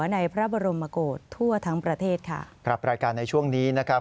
ในพระบรมโกศทั่วทั้งประเทศค่ะกลับรายการในช่วงนี้นะครับ